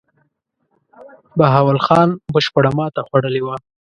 بهاول خان بشپړه ماته خوړلې وه.